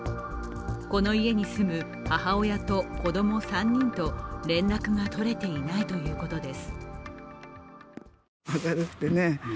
この家に住む母親と子供３人と連絡が取れていないということです。